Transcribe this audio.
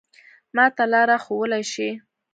ما ته لاره ښوولای شې؟